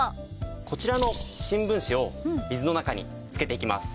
こちらの新聞紙を水の中につけていきます。